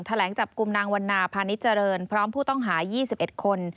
แหลงจับกลุ่มนางวันนาพาณิชเจริญพร้อมผู้ต้องหา๒๑คน